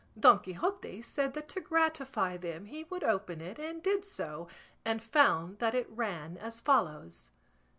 Don Quixote said that to gratify them he would open it, and did so, and found that it ran as follows.